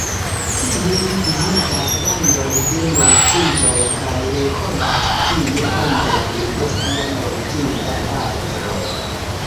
Tie li vizitas Landon de Mortintoj kaj renkontas tie ombron de sia mortinta patro.